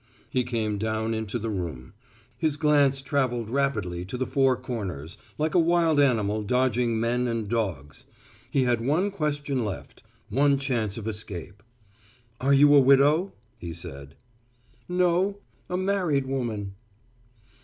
He came down into the room. His glance traveled rapidly to the four corners, like a wild animal dodging men and dogs. He had one question left, one chance of escape. "Are you a widow?" he said. "No, a married woman."